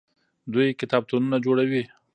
دوی کتابتونونه جوړوي.